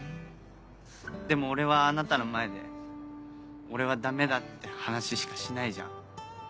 でも俺はあなたの前で俺はダメだって話しかしないじゃん。